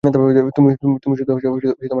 তুমি শুধু টাকার জন্য পাগল।